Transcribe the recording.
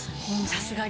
さすがに。